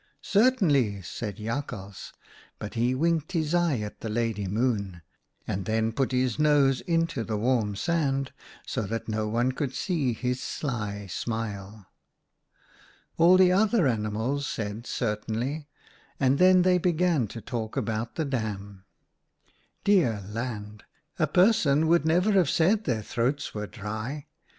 "* Certainly,' said Jakhals, but he winked his eye at the Lady Moon, and then put his nose into the warm sand so that no one could see his sly smile. "All the other animals said 'Certainly,' and then they began to talk about the dam. Dear land ! A person would never have said their throats were dry.